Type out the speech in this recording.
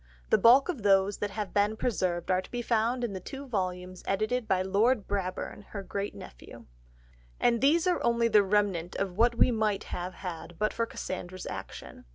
The bulk of those that have been preserved are to be found in the two volumes edited by Lord Brabourne, her great nephew. And these are only the remnant of what we might have had but for Cassandra's action.